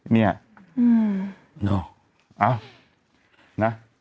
เอานะ